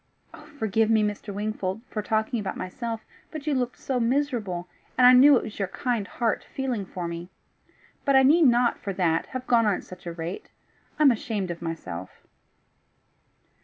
Forgive me, Mr. Wingfold, for talking about myself, but you looked so miserable! and I knew it was your kind heart feeling for me. But I need not, for that, have gone on at such a rate. I am ashamed of myself!"